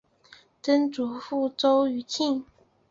曾祖父周余庆。